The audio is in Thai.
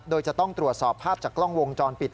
โดยจะต้องตรวจสอบภาพจากกล้องวงจรปิด